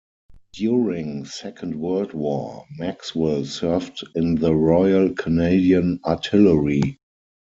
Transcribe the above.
During Second World War, Maxwell served in the Royal Canadian Artillery.